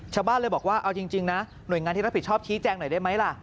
ชาวบ้านเลยบอกว่าเอาจริงนะหน่วยงานที่รับผิดชอบชี้แจงหน่อยได้ไหมล่ะ